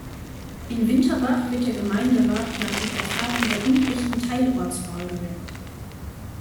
In Winterbach wird der Gemeinderat nach dem Verfahren der unechten Teilortswahl gewählt.